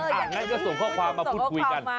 อย่างนั้นก็ส่งข้อความมาพูดคุยกัน